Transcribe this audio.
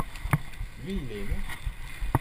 lui, il est aimé.